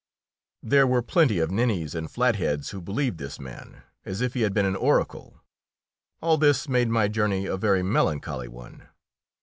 There were plenty of ninnies and flatheads who believed this man as if he had been an oracle. All this made my journey a very melancholy one.